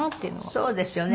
そうですよね。